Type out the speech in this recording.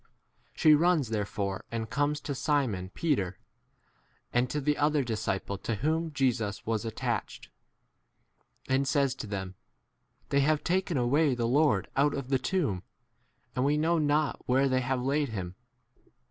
She runs therefore and comes to Simon Peter, and to the other disciple to whom Jesus was attached, and says to them, They have taken away the Lord out of the tomb, and we know not where they have 3 laid him.